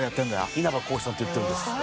稲葉浩志さんとやってるんです。